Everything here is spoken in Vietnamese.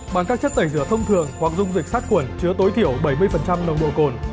bằng các chất tẩy rửa thông thường hoặc dung dịch sát khuẩn chứa tối thiểu bảy mươi nồng độ cồn